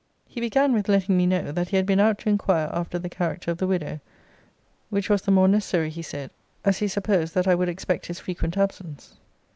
He began with letting me know, that he had been out to inquire after the character of the widow, which was the more necessary, he said, as he supposed that I would expect his frequent absence.